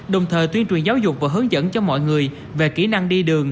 đồng thời tuyên truyền giáo dục và hướng dẫn cho mọi người về kỹ năng đi đường